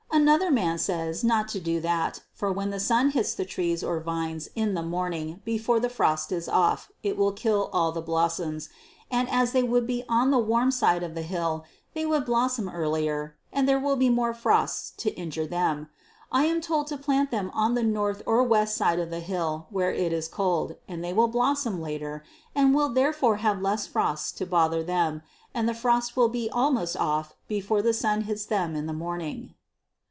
Another man says not to do that, for when the sun hits the trees or vines in the morning before the frost is off, it will kill all the blossoms, and as they would be on the warm side of the hill they would blossom earlier and there will be more frosts to injure them. I am told to plant them on the north or west side of the hill, where it is cold, and they will blossom later and will therefore have less frosts to bother them, and the frost will be almost off before the sun hits them in the morning.